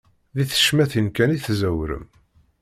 Di tecmatin kan i tẓewrem.